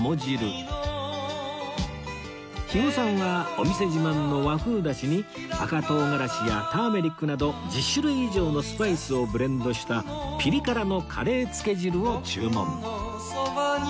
肥後さんはお店自慢の和風ダシに赤唐辛子やターメリックなど１０種類以上のスパイスをブレンドしたピリ辛のカレーつけ汁を注文